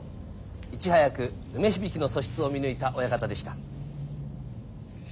いち早く梅響の素質を見抜いた親方でした。